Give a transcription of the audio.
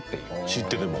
知ってても？